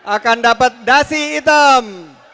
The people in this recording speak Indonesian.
akan dapat dasi hitam